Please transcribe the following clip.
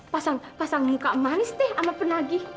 pasang pasang muka manis deh sama penagih